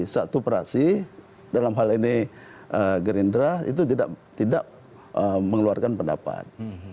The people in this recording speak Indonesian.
satu praksi dalam hal ini gerindra itu tidak mengeluarkan pendapat